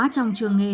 trong trường nghề